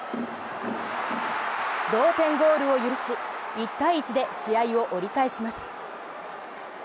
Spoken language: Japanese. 同点ゴールを許し、１対１で試合を折り返します。